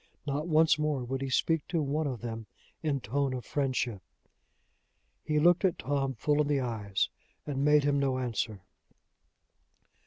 Not once more would he speak to one of them in tone of friendship! He looked at Tom full in the eyes, and made him no answer.